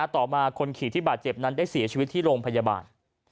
ต่อมาคนขี่ที่บาดเจ็บนั้นได้เสียชีวิตที่โรงพยาบาล